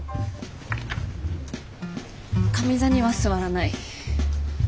上座には座らない。